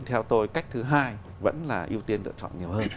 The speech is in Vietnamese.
theo tôi cách thứ hai vẫn là ưu tiên lựa chọn nhiều hơn